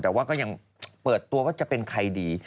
แต่ว่าก็ยังเปิดตัวว่าจะเป็นใครดี